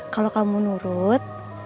kalau kamu nurut